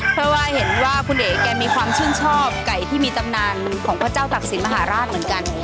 เพราะว่าเห็นว่าคุณเอ๋แกมีความชื่นชอบไก่ที่มีตำนานของพระเจ้าตักศิลปมหาราชเหมือนกัน